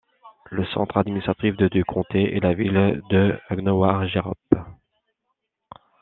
Le centre administratif du comté est la ville de Gnowangerup.